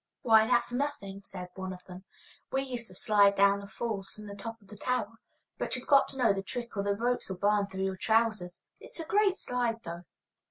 "Why, that's nothing!" said one of them; "we used to slide down the falls from the top of the tower. But you've got to know the trick or the ropes'll burn through your trousers. It's a great slide, though."